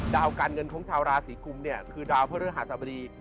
ดาวการเงินของชาวราศรีคุมเนี่ยคือดาวเพื่อเรื้อหาสบดี